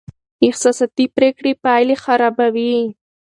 احساساتي پرېکړې پایلې خرابوي.